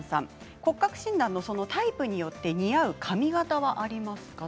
骨格診断のタイプによって似合う髪形はありますか？